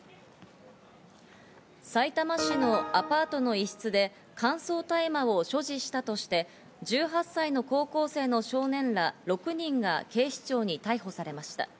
さいたま市のアパートの一室で乾燥大麻を所持したとして、１８歳の高校生の少年ら６人が警視庁に逮捕されました。